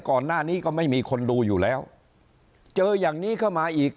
ก่อนหน้านี้ก็ไม่มีคนดูอยู่แล้วเจออย่างนี้เข้ามาอีก